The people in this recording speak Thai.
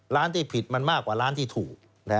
ที่ผิดมันมากกว่าร้านที่ถูก